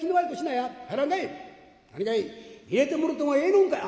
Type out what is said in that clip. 「何かい入れてもろてもええのんかい」。